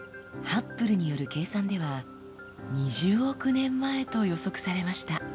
ハッブルによる計算では２０億年前と予測されました。